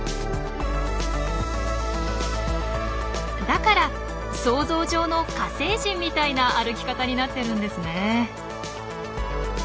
だから想像上の火星人みたいな歩き方になってるんですね。